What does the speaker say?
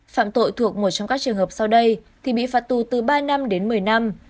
phạm tội thuộc một trong các trường hợp sau đây thì bị phạt tù từ ba năm đến một mươi năm